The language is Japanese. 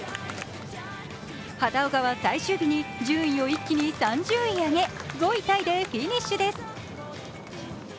畑岡は最終日に順位を一気に３０位上げ、５位タイでフィニッシュです。